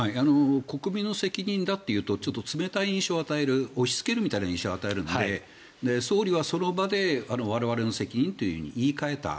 国民の責任だと言うと冷たい印象を与える押しつけるみたいな印象を与えるので総理はその場で我々の責任と言い換えた。